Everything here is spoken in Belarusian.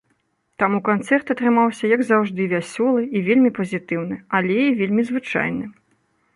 Таму канцэрт атрымаўся як заўжды вясёлы і вельмі пазітыўны, але і вельмі звычайны.